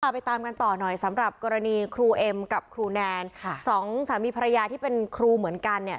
ไปตามกันต่อหน่อยสำหรับกรณีครูเอ็มกับครูแนนค่ะสองสามีภรรยาที่เป็นครูเหมือนกันเนี่ย